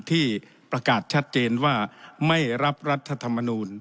ที่ประกาศชัดเจนว่าไม่รับรัฐธรรมนูล